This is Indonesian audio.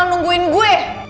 kamu jangan diam